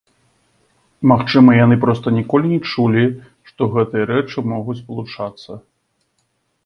Магчыма, яны проста ніколі не чулі, што гэтыя рэчы могуць спалучацца.